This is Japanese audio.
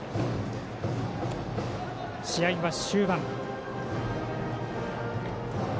試合は終盤。